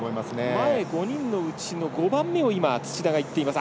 前５人のうちの５番目を土田が行っています。